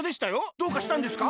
どうかしたんですか？